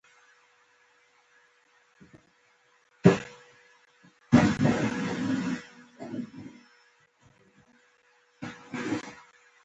متلونه د ولسي ادبياتو خورا .